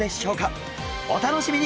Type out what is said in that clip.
お楽しみに！